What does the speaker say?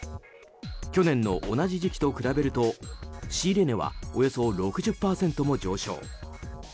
去年の同じ時期と比べると仕入れ値はおよそ６０％も上昇。